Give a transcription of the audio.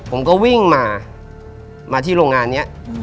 ผมก็วิ่งมามาที่โรงงานนี้